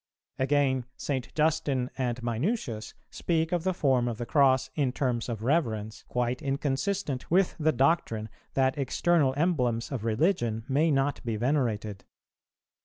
[370:1] Again, St. Justin and Minucius speak of the form of the Cross in terms of reverence, quite inconsistent with the doctrine that external emblems of religion may not be venerated.